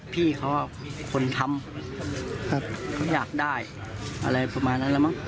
พี่เขาคนทำเขาอยากได้อะไรประมาณนั้นแล้วมั้ง